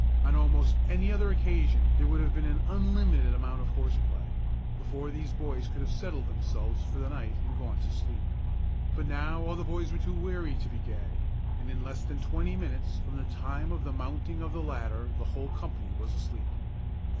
On almost any other occasion there would have been an unlimited amount of horse play, before these boys could have settled themselves for the night and gone to sleep. But now all the boys were too weary to be gay, and in less than twenty minutes from the time of the mounting of the ladder the whole company was asleep.